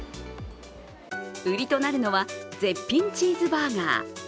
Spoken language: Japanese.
売りとなるのは、絶品チーズバーガー。